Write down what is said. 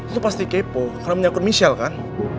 itu pasti kepo karena menyangkut michelle kan